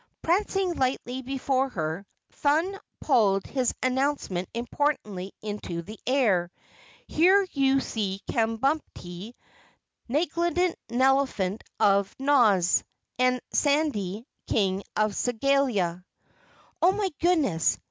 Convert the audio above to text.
Prancing lightly before her, Thun puffed his announcement importantly into the air. "Here you see Kabumpty, Nelegant Nelephant of Noz, and Sandy, King of Segalia." "Oh, my goodness!